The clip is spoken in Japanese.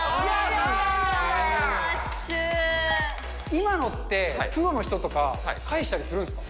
今のって、プロの人とか返したりするんですか。